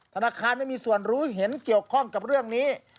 ธนาคารไม่มีส่วนรู้เห็นเกี่ยวข้องกับเรื่องนี้